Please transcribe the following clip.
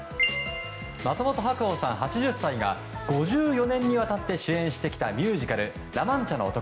松本白鸚さん、８０歳が５４年にわたって主演してきたミュージカル「ラ・マンチャの男」。